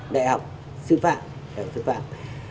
đại học sư phạm đại học sư phạm